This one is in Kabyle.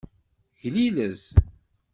Glilez.